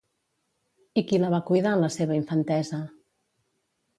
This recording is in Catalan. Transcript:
I qui la va cuidar en la seva infantesa?